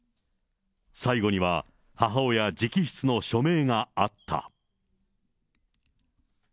最後には、母親直筆の署名があった。